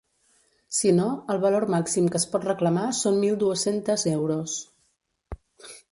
Si no, el valor màxim que es pot reclamar són mil dues-centes euros.